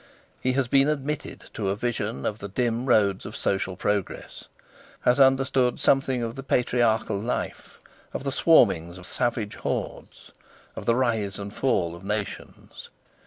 He has been admitted to a vision of the dim roads of social progress, has understood something of patriarchal life, of the swarmings of savage hordes, of the rise and fall of nations.